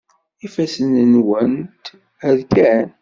Ifassen-nwent rkan.